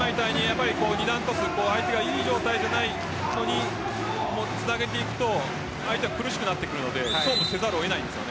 ２段トス相手がいい状態でないのにつなげていくと相手は苦しくなってくるので勝負せざるを得ないです。